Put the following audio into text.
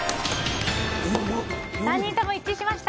３人とも一致しました。